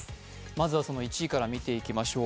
まずは１位から見ていきましょう。